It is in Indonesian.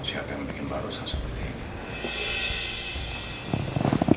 siapa yang bikin barusan seperti ini